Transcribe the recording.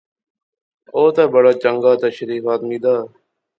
او تے بڑا چنگا تے شریف آدمی دا